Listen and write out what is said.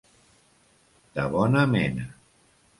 De bona mena.